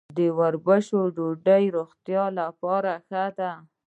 د وربشو ډوډۍ د روغتیا لپاره ښه ده.